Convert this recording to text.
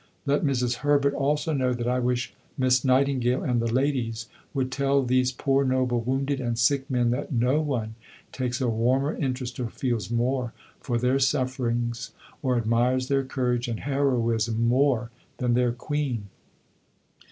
Let Mrs. Herbert also know that I wish Miss Nightingale and the ladies would tell these poor, noble wounded and sick men that no one takes a warmer interest or feels more for their sufferings or admires their courage and heroism more than their Queen.